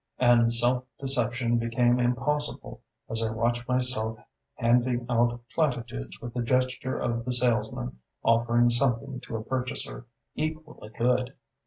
and self deception became impossible as I watched myself handing out platitudes with the gesture of the salesman offering something to a purchaser "equally good."